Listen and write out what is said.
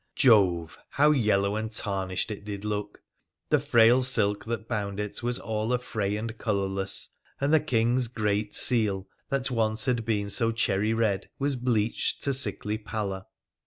Jove ! how yellow and tarnished it did look ! The frail silk that bound it was all afray and colourless ; and the King's great seal, that once had been so cherry red, was bleached to sickly pallor